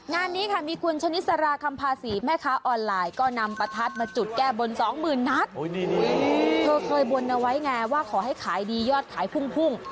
งานนี้ค่ะมีคุณชนิสราคำภาษีแม่ค้าออนไลน์ก็นำประทัดมาจุดแก้บนสองหมื่นนัดเธอเคยบนเอาไว้ไงว่าขอให้ขายดียอดขายพุ่ง